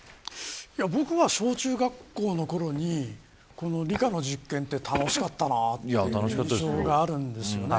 僕は小中学校のころに理科の実験は楽しかったなという印象があるんです。